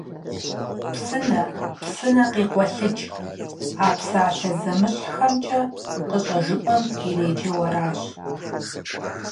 Псынэ, псынэ къикъуэлъыкӀ - а псалъэ зэмыщхьхэмкӀэ къыщӀэжыпӀэм иреджэу аращ.